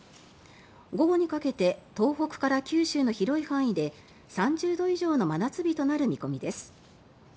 午後にかけて東北から九州の広い範囲で３０度以上の真夏日となる見込みです。